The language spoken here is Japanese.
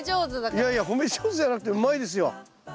いやいや褒め上手じゃなくてうまいですよ。